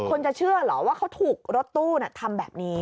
จะเชื่อเหรอว่าเขาถูกรถตู้ทำแบบนี้